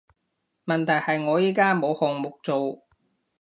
問題係我而家冇項目做